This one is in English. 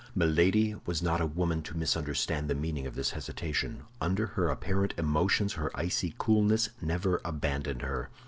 Milady was not a woman to misunderstand the meaning of this hesitation. Under her apparent emotions her icy coolness never abandoned her.